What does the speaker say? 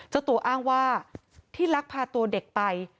เจ้าตัวอ้างว่าที่ลักพาตัวเด็กไป